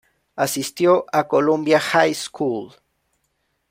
Asistió a Columbia High School.